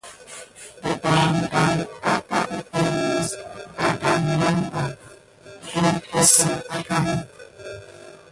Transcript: Demedane aka epəŋle mis analan ban depensine akanedi.